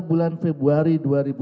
bulan februari dua ribu sepuluh